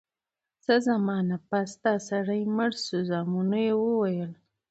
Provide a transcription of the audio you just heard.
څه زمانه پس دا سړی مړ شو زامنو ئي وويل: